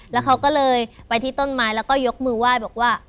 แล้วเขาก็เลยไปที่ต้นไม้แล้วก็ยกมือไหว้บอกว่า